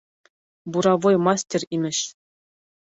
Буровой мастер, имеш.